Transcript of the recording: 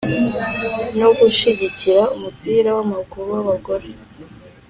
no gushyigikira umupira w’amaguru w’abagore.